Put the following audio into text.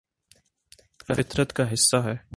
فطرت کا حصہ ہے